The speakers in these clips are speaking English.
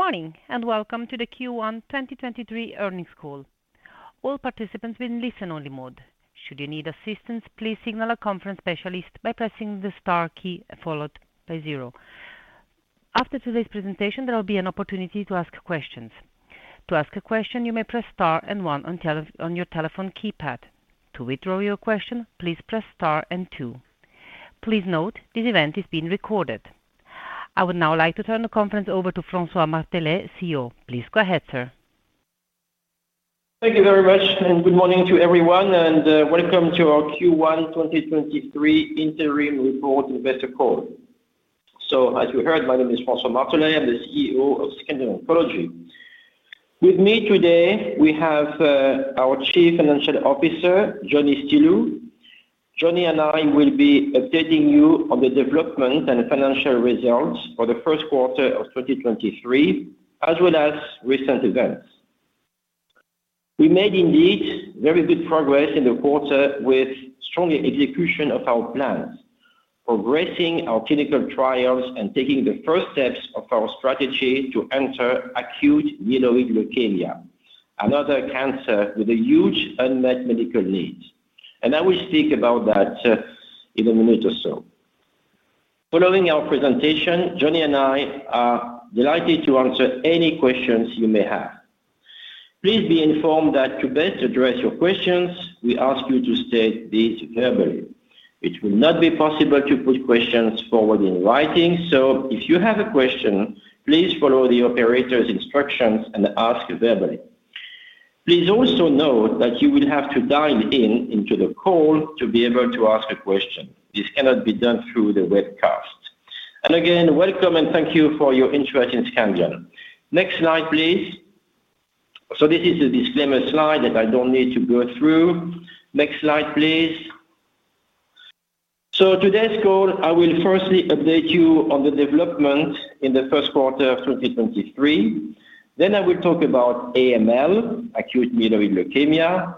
Good morning, and welcome to the Q1 2023 earnings call. All participants will be in listen only mode. Should you need assistance, please signal a conference specialist by pressing the star key, followed by zero. After today's presentation, there will be an opportunity to ask questions. To ask a question, you may press star and one on your telephone keypad. To withdraw your question, please press star and two. Please note, this event is being recorded. I would now like to turn the conference over to François Martelet, CEO. Please go ahead, sir. Thank you very much, good morning to everyone, welcome to our Q1 2023 interim report investor call. As you heard, my name is François Martelet. I'm the CEO of Scandion Oncology. With me today, we have our Chief Financial Officer, Johnny Stilou. Johnny and I will be updating you on the development and financial results for the first quarter of 2023, as well as recent events. We made indeed very good progress in the quarter with strong execution of our plans, progressing our clinical trials and taking the first steps of our strategy to enter acute myeloid leukemia, another cancer with a huge unmet medical need. I will speak about that in a minute or so. Following our presentation, Johnny and I are delighted to answer any questions you may have. Please be informed that to best address your questions, we ask you to state these verbally. It will not be possible to put questions forward in writing. If you have a question, please follow the operator's instructions and ask verbally. Please also note that you will have to dial into the call to be able to ask a question. This cannot be done through the webcast. Again, welcome and thank you for your interest in Scandion. Next slide, please. This is a disclaimer slide that I don't need to go through. Next slide, please. Today's call, I will firstly update you on the development in the first quarter of 2023, then I will talk about AML, acute myeloid leukemia.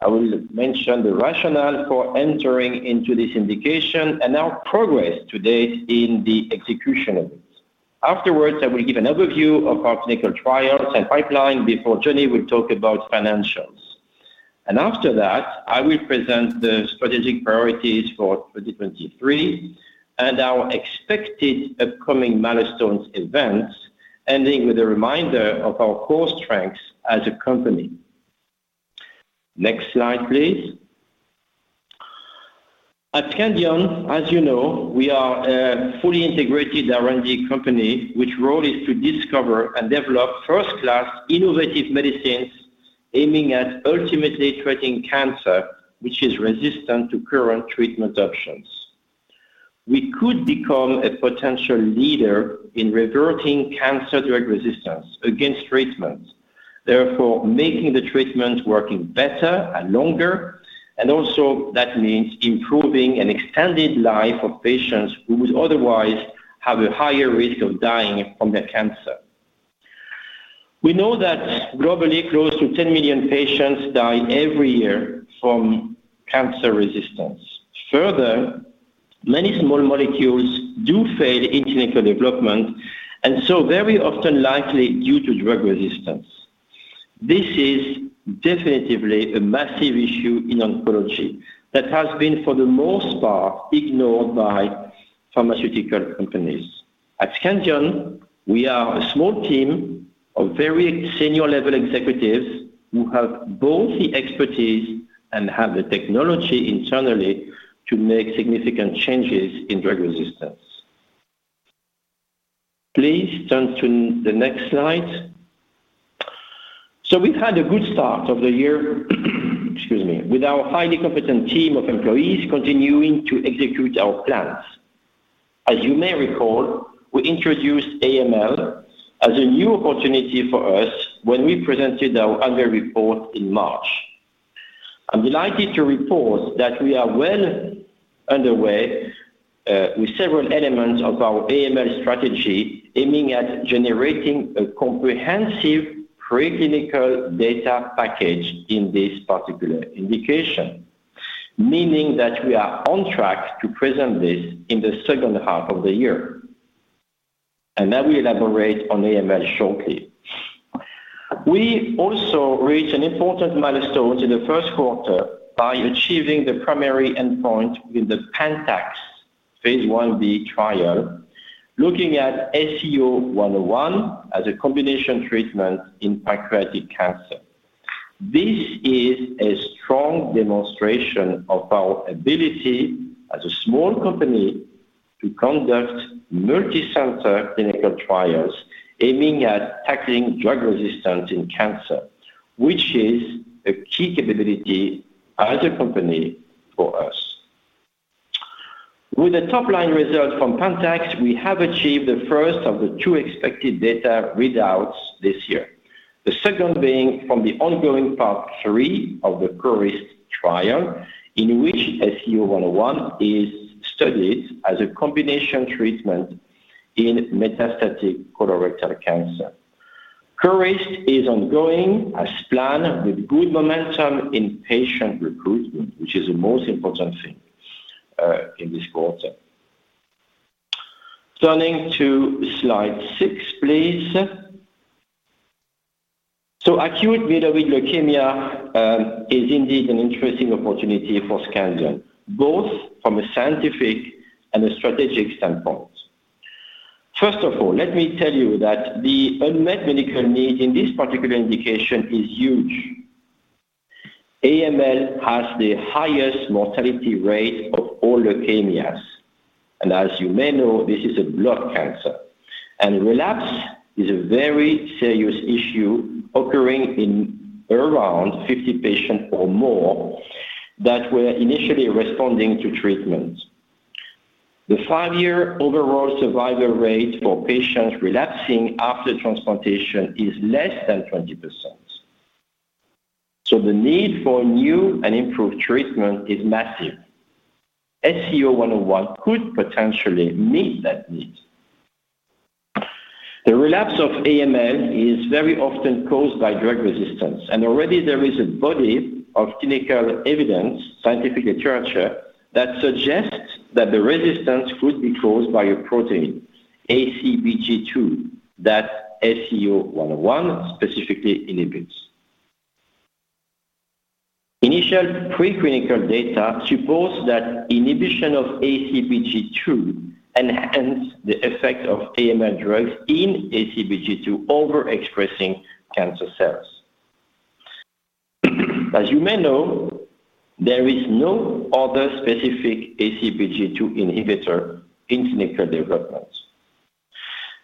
I will mention the rationale for entering into this indication and our progress to date in the execution of it. Afterwards, I will give an overview of our clinical trials and pipeline before Johnny will talk about financials. After that, I will present the strategic priorities for 2023 and our expected upcoming milestones events, ending with a reminder of our core strengths as a company. Next slide, please. At Scandion, as you know, we are a fully integrated R&D company, which role is to discover and develop first-class innovative medicines, aiming at ultimately treating cancer, which is resistant to current treatment options. We could become a potential leader in reverting cancer drug resistance against treatments, therefore, making the treatment working better and longer, and also that means improving an extended life of patients who would otherwise have a higher risk of dying from their cancer. We know that globally, close to 10 million patients die every year from cancer resistance. Further, many small molecules do fail in clinical development, very often likely due to drug resistance. This is definitely a massive issue in oncology that has been, for the most part, ignored by pharmaceutical companies. At Scandion, we are a small team of very senior level executives who have both the expertise and have the technology internally to make significant changes in drug resistance. Please turn to the next slide. We've had a good start of the year, excuse me, with our highly competent team of employees continuing to execute our plans. As you may recall, we introduced AML as a new opportunity for us when we presented our annual report in March. I'm delighted to report that we are well underway with several elements of our AML strategy, aiming at generating a comprehensive preclinical data package in this particular indication. Meaning that we are on track to present this in the second half of the year, and I will elaborate on AML shortly. We also reached an important milestone in the first quarter by achieving the primary endpoint with the PANTAX phase Ib trial, looking at SCO-101 as a combination treatment in pancreatic cancer. This is a strong demonstration of our ability as a small company to conduct multicenter clinical trials aiming at tackling drug resistance in cancer, which is a key capability as a company for us. With the top-line results from PANTAX, we have achieved the first of the two expected data readouts this year. The second being from the ongoing part three of the CORIST trial, in which SCO-101 is studied as a combination treatment in metastatic colorectal cancer. CORIST is ongoing as planned with good momentum in patient recruitment, which is the most important thing in this quarter. Turning to slide six, please. Acute myeloid leukemia is indeed an interesting opportunity for Scandion Oncology, both from a scientific and a strategic standpoint. First of all, let me tell you that the unmet medical need in this particular indication is huge. AML has the highest mortality rate of all leukemias, and as you may know, this is a blood cancer. Relapse is a very serious issue occurring in around 50 patients or more that were initially responding to treatment. The five-year overall survival rate for patients relapsing after transplantation is less than 20%. The need for new and improved treatment is massive. SCO-101 could potentially meet that need. The relapse of AML is very often caused by drug resistance, and already there is a body of clinical evidence, scientific literature, that suggests that the resistance could be caused by a protein, ABCG2, that SCO-101 specifically inhibits. Initial preclinical data suppose that inhibition of ABCG2 enhance the effect of AML drugs in ABCG2 overexpressing cancer cells. As you may know, there is no other specific ABCG2 inhibitor in clinical development.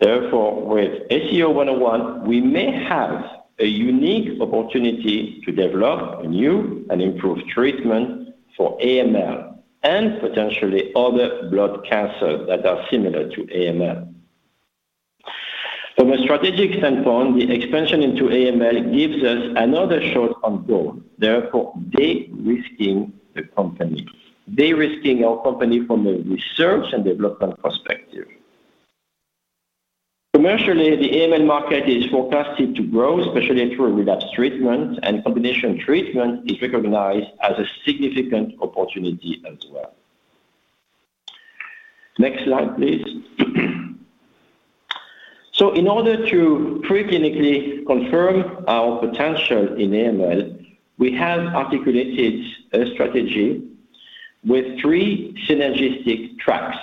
Therefore, with SCO-101, we may have a unique opportunity to develop a new and improved treatment for AML and potentially other blood cancers that are similar to AML. From a strategic standpoint, the expansion into AML gives us another short on goal, therefore, de-risking the company. De-risking our company from a research and development perspective. Commercially, the AML market is forecasted to grow, especially through relapse treatment, and combination treatment is recognized as a significant opportunity as well. Next slide, please. In order to preclinically confirm our potential in AML, we have articulated a strategy with three synergistic tracks.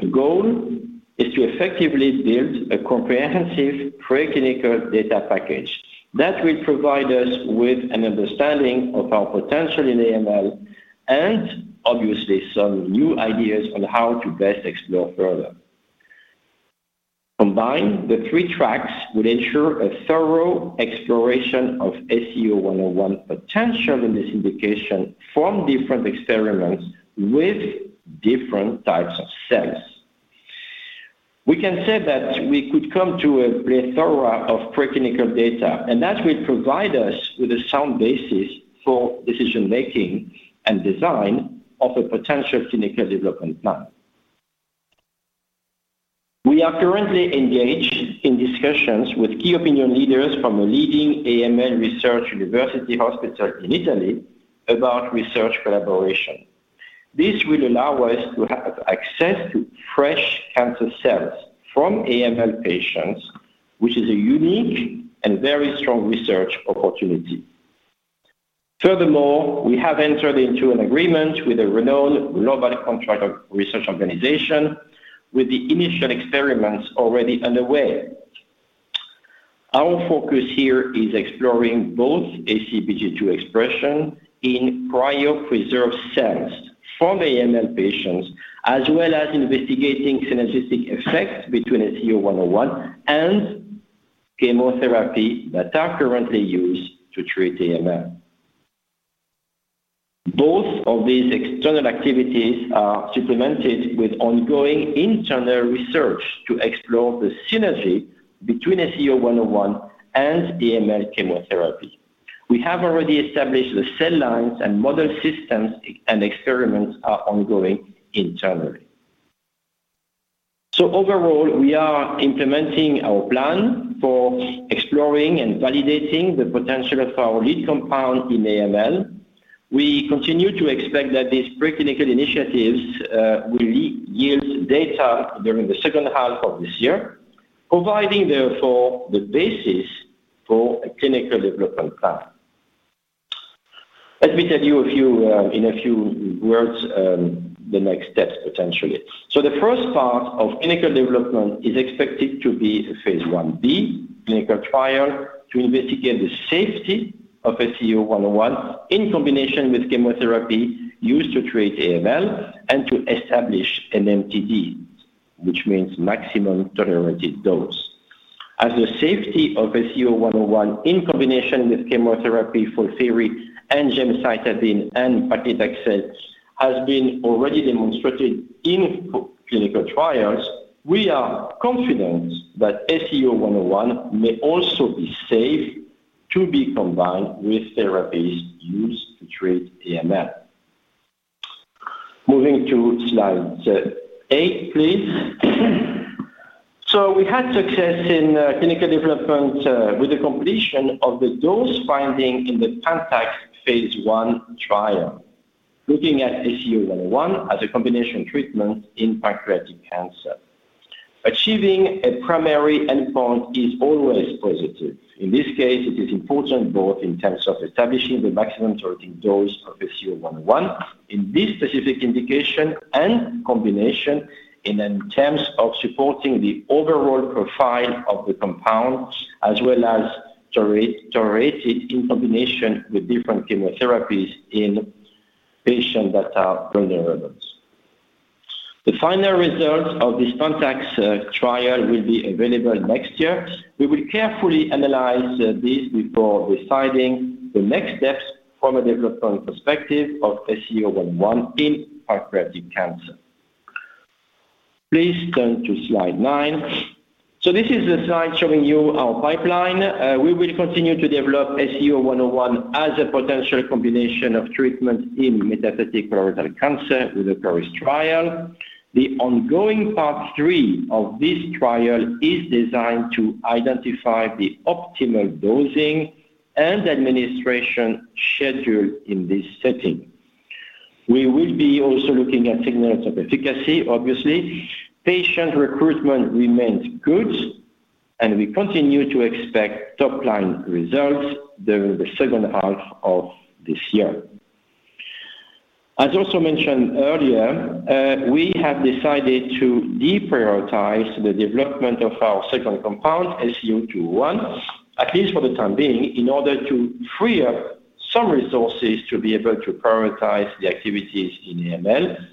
The goal is to effectively build a comprehensive preclinical data package that will provide us with an understanding of our potential in AML and obviously some new ideas on how to best explore further. Combined, the three tracks will ensure a thorough exploration of SCO-101 potential in this indication from different experiments with different types of cells. We can say that we could come to a plethora of preclinical data, and that will provide us with a sound basis for decision making and design of a potential clinical development plan. We are currently engaged in discussions with key opinion leaders from a leading AML research university hospital in Italy about research collaboration. This will allow us to have access to fresh cancer cells from AML patients, which is a unique and very strong research opportunity. Furthermore, we have entered into an agreement with a renowned global contract research organization, with the initial experiments already underway. Our focus here is exploring both ABCG2 expression in prior preserved cells from AML patients, as well as investigating synergistic effects between SCO-101 and chemotherapy that are currently used to treat AML. Both of these external activities are supplemented with ongoing internal research to explore the synergy between SCO-101 and AML chemotherapy. We have already established the cell lines and model systems, and experiments are ongoing internally. Overall, we are implementing our plan for exploring and validating the potential of our lead compound in AML. We continue to expect that these preclinical initiatives will yield data during the second half of this year, providing therefore the basis for a clinical development plan. Let me tell you a few in a few words, the next steps potentially. The first part of clinical development is expected to be a phase Ib clinical trial to investigate the safety of SCO-101 in combination with chemotherapy used to treat AML and to establish an MTD, which means maximum tolerated dose. As the safety of SCO-101 in combination with chemotherapy, FOLFIRI and gemcitabine and paclitaxel, has been already demonstrated in clinical trials, we are confident that SCO-101 may also be safe to be combined with therapies used to treat AML. Moving to slide eight, please. We had success in clinical development with the completion of the dose finding in the PANTAX phase Ib trial, looking at SCO-101 as a combination treatment in pancreatic cancer. Achieving a primary endpoint is always positive. In this case, it is important both in terms of establishing the maximum tolerated dose of SCO-101 in this specific indication and combination, and in terms of supporting the overall profile of the compound, as well as to rate it in combination with different chemotherapies in patients that are relevant. The final results of this PANTAX trial will be available next year. We will carefully analyze this before deciding the next steps from a development perspective of SCO-101 in pancreatic cancer. Please turn to slide nine. This is the slide showing you our pipeline. We will continue to develop SCO-101 as a potential combination of treatment in metastatic colorectal cancer with the CORIST trial. The ongoing part three of this trial is designed to identify the optimal dosing and administration schedule in this setting. We will be also looking at signals of efficacy, obviously. Patient recruitment remains good, and we continue to expect top-line results during the second half of this year. As also mentioned earlier, we have decided to deprioritize the development of our second compound, SCO-201, at least for the time being, in order to free up some resources to be able to prioritize the activities in AML,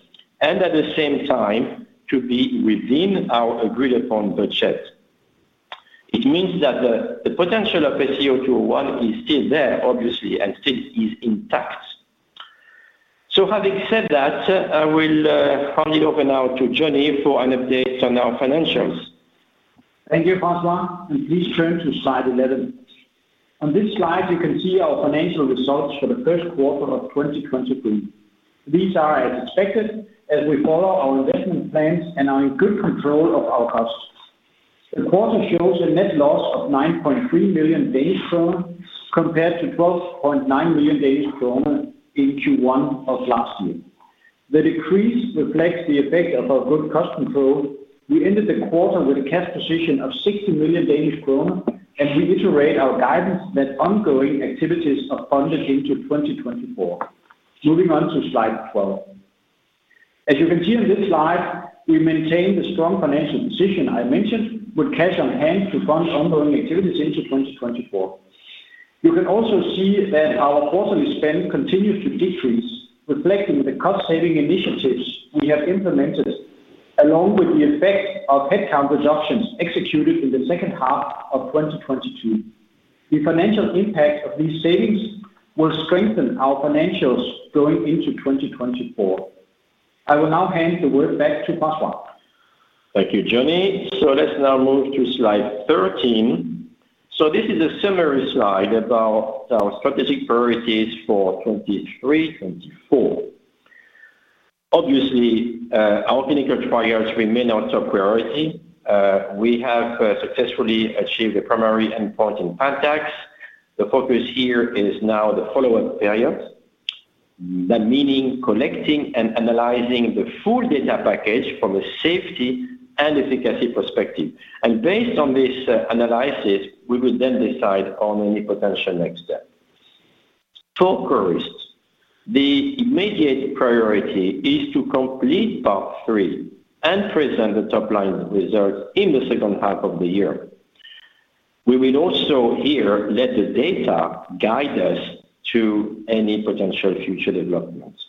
and at the same time, to be within our agreed-upon budget. It means that the potential of SCO-201 is still there, obviously, and still is intact. Having said that, I will hand it over now to Johnny for an update on our financials. Thank you, François, and please turn to slide 11. On this slide, you can see our financial results for the first quarter of 2023. These are as expected as we follow our investment plans and are in good control of our costs. The quarter shows a net loss of 9.3 million Danish kroner, compared to 12.9 million Danish kroner in Q1 of last year. The decrease reflects the effect of our good cost control. We ended the quarter with a cash position of 60 million Danish kroner, and we reiterate our guidance that ongoing activities are funded into 2024. Moving on to slide 12. As you can see on this slide, we maintain the strong financial position I mentioned, with cash on hand to fund ongoing activities into 2024. You can also see that our quarterly spend continues to decrease, reflecting the cost-saving initiatives we have implemented, along with the effect of headcount reductions executed in the second half of 2022. The financial impact of these savings will strengthen our financials going into 2024. I will now hand the word back to François. Thank you, Johnny. Let's now move to slide 13. This is a summary slide about our strategic priorities for 2023, 2024. Obviously, our clinical trials remain our top priority. We have successfully achieved the primary endpoint in PANTAX. The focus here is now the follow-up period. That meaning collecting and analyzing the full data package from a safety and efficacy perspective. Based on this analysis, we will then decide on any potential next step. CORIST, the immediate priority is to complete part three and present the top-line results in the second half of the year. We will also here let the data guide us to any potential future developments.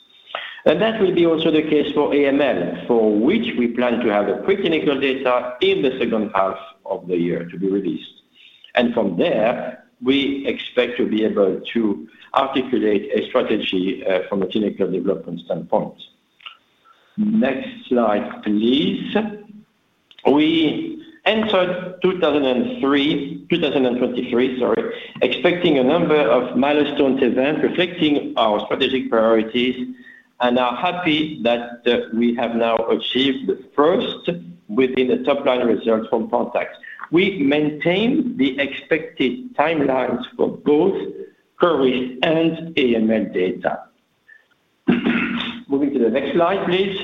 That will be also the case for AML, for which we plan to have the preclinical data in the second half of the year to be released. From there, we expect to be able to articulate a strategy from a clinical development standpoint. Next slide, please. We entered 2023, sorry, expecting a number of milestone events reflecting our strategic priorities, and are happy that we have now achieved the first within the top-line results from PANTAX. We maintain the expected timelines for both CORIST and AML data. Moving to the next slide, please.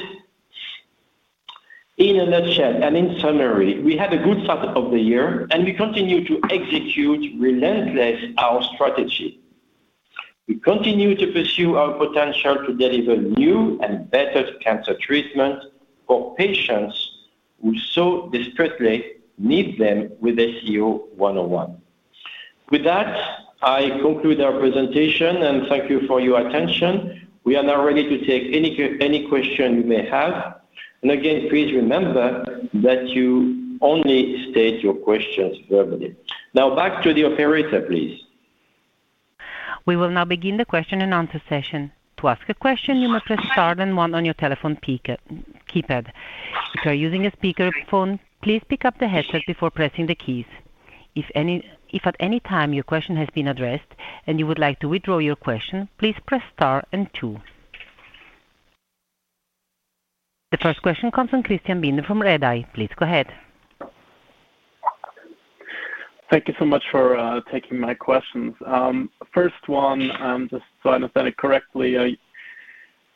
In a nutshell, in summary, we had a good start of the year, we continue to execute relentless our strategy. We continue to pursue our potential to deliver new and better cancer treatment for patients who so desperately need them with SCO-101. With that, I conclude our presentation, thank you for your attention. We are now ready to take any question you may have. Again, please remember that you only state your questions verbally. Now back to the operator, please. We will now begin the question and answer session. To ask a question, you must press star then one on your telephone keypad. If you are using a speakerphone, please pick up the headset before pressing the keys. If at any time your question has been addressed and you would like to withdraw your question, please press star and two. The first question comes from Christian Binder from Redeye. Please go ahead. Thank you so much for taking my questions. First one, just so I understand it correctly,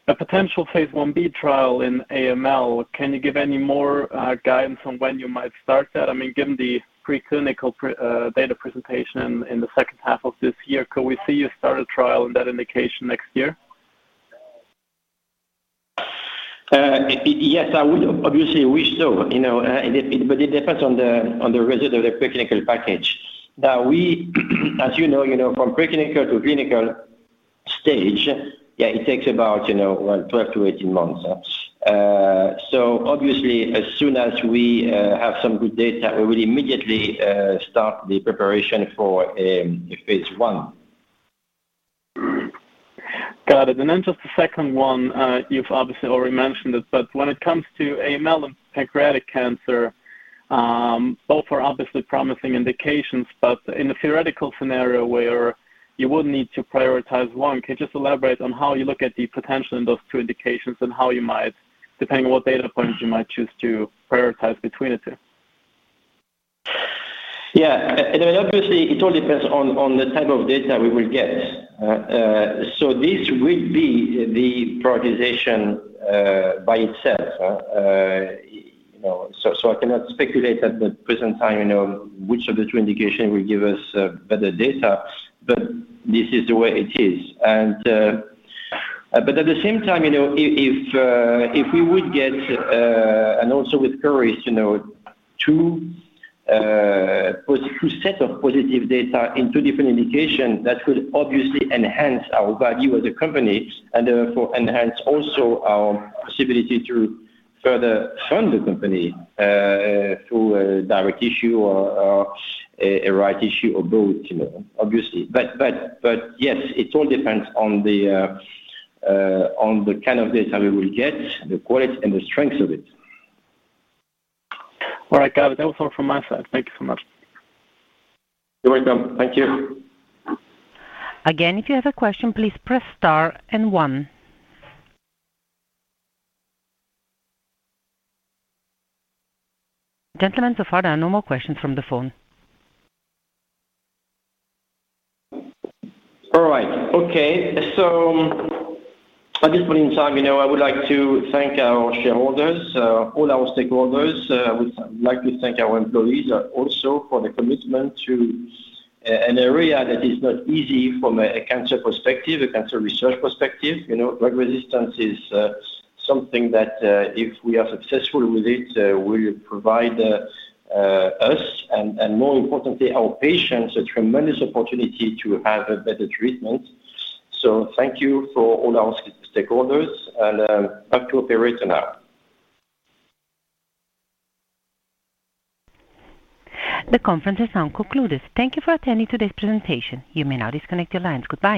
a potential phase Ib trial in AML, can you give any more guidance on when you might start that? I mean, given the preclinical data presentation in the second half of this year, could we see you start a trial in that indication next year? Yes, I would obviously wish so, you know, but it depends on the result of the preclinical package. Now, we, as you know, you know, from preclinical to clinical stage, it takes about, you know, well, 12 to 18 months. Obviously, as soon as we have some good data, we will immediately start the preparation for the phase I. Got it. Just the second one, you've obviously already mentioned it, but when it comes to AML and pancreatic cancer, both are obviously promising indications, but in a theoretical scenario where you would need to prioritize one, can you just elaborate on how you look at the potential in those two indications and how you might, depending on what data points you might choose to prioritize between the two? Yeah. I mean, obviously, it all depends on the type of data we will get. This will be the prioritization by itself. You know, I cannot speculate at the present time, you know, which of the two indication will give us better data, but this is the way it is. At the same time, you know, if we would get, and also with CORIST, you know, two set of positive data in two different indications, that could obviously enhance our value as a company and therefore enhance also our possibility to further fund the company, through a direct issue or a right issue or both, you know, obviously. Yes, it all depends on the kind of data we will get, the quality and the strength of it. All right, got it. That was all from my side. Thank you so much. You're welcome. Thank you. Again, if you have a question, please press star and one. Gentlemen, so far there are no more questions from the phone. All right. Okay. At this point in time, you know, I would like to thank our shareholders, all our stakeholders. I would like to thank our employees also for the commitment to an area that is not easy from a cancer perspective, a cancer research perspective. You know, drug resistance is something that if we are successful with it, will provide us and more importantly, our patients, a tremendous opportunity to have a better treatment. Thank you for all our stakeholders and back to you, operator now. The conference is now concluded. Thank you for attending today's presentation. You may now disconnect your lines. Goodbye.